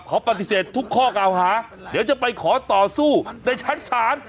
ขอปฏิเสธทุกข้อเก่าหาเดี๋ยวจะไปขอต่อสู้ในชั้นศาล